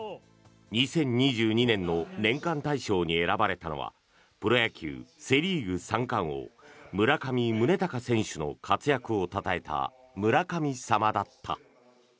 ２０２２年の年間大賞に選ばれたのはプロ野球セ・リーグ三冠王村上宗隆選手の活躍をたたえた村神様だった。